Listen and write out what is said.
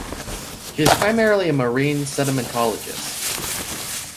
He is primarily a marine sedimentologist.